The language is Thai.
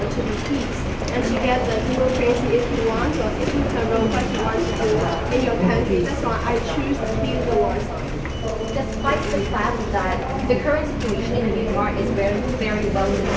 สิทธิมนุษยชนคือว่าเป็นสิทธิ์สำคัญคือคือน้องน้องก็จะยินอยู่ในหลังฐานนี้นะครับคือเรียกร้องออกมา